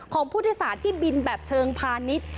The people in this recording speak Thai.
ของผู้โดยสารที่บินแบบเชิงพาณิชย์